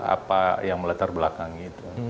apa yang meletar belakangnya